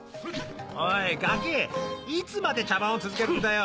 おいガキいつまで茶番を続ける気だよ。